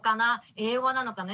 英語なのかな？